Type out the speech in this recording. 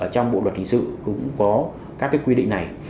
trong bộ luật hình sự cũng có các quy định này